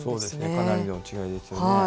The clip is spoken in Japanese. かなりの違いですよね。